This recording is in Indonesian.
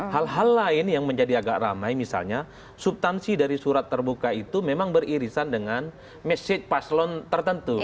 hal hal lain yang menjadi agak ramai misalnya subtansi dari surat terbuka itu memang beririsan dengan message paslon tertentu